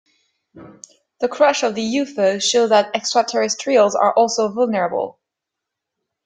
The crash of the UFO shows that extraterrestrials are also vulnerable.